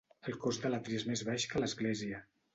El cos de l'atri és més baix que l'església.